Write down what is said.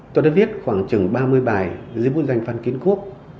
tôi đã viết khoảng chừng ba mươi bài dưới bút danh phan kiến quốc